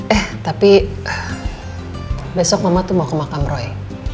eh tapi besok mama tuh mau ke makam roy